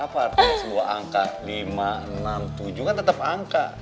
apa artinya sebuah angka lima enam tujuh kan tetap angka